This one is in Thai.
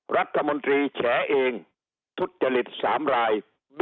รัฐมนตรีแฉเองทุจจริต๓ราย